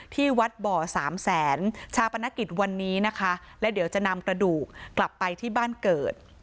ที่วัดบ่อสามแสนชาปนกิจวันนี้นะคะและเดี๋ยวจะนำกระดูกกลับไปที่บ้านเกิด